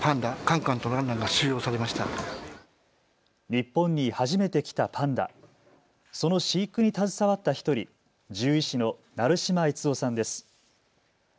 日本に初めて来たパンダ、その飼育に携わった１人、獣医師の成島悦雄さんです。